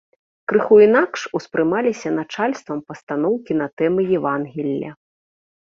Крыху інакш успрымаліся начальствам пастаноўкі на тэмы евангелля.